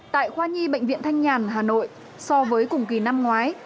tại khoa nhi bệnh viện thanh nhàn hà nội so với cùng kỳ năm ngoái